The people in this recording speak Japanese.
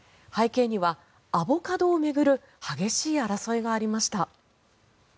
背景にはアボカドを巡る激しい争いがありました。